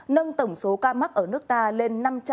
nâng tổng số ca mắc ở nước ta lên năm trăm linh ca